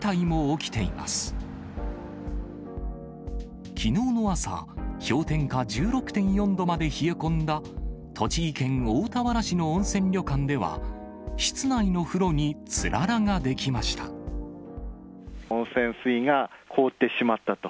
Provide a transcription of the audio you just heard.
きのうの朝、氷点下１６．４度まで冷え込んだ、栃木県大田原市の温泉旅館では、温泉水が凍ってしまったと。